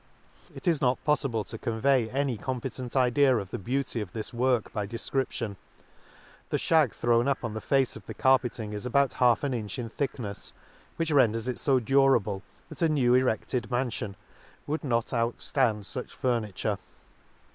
It is not poffible to convey any competent idea of the beauty of \ this work by de fcription ;— the fhag thrown up on the face of the carpeting is about half an inch in thicknefs, which renders it fo du rable, that a new eredted manfion would not outfland fuch furniture.